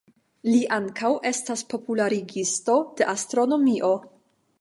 Li ankaŭ estas popularigisto de astronomio.